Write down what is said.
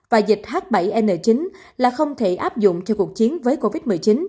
và dịch h bảy n chín là không thể áp dụng cho cuộc chiến với covid một mươi chín